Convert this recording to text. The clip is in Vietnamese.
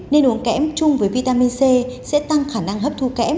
nên uống kém chung với vitamin c sẽ tăng khả năng hấp thu kém